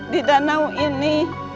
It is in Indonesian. di danau ini